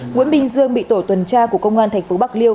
nguyễn bình dương bị tổ tuần tra của công an thành phố bạc liêu